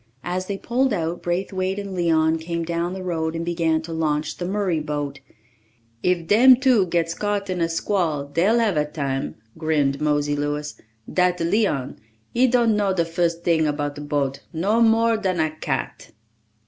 As they pulled out, Braithwaite and Leon came down the road and began to launch the Murray boat. "If dem two gits caught in a squall dey'll hav a tam," grinned Mosey Louis. "Dat Leon, he don't know de fust ting 'bout a boat, no more dan a cat!"